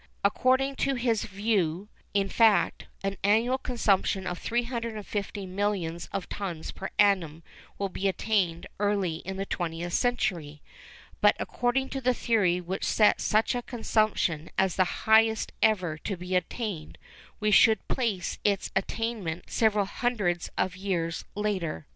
According to his view, in fact, an annual consumption of 350 millions of tons per annum will be attained early in the twentieth century; but according to the theory which sets such a consumption as the highest ever to be attained, we should place its attainment several hundreds of years later.